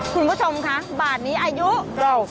คุณผู้ชมคะบาทนี้อายุเรา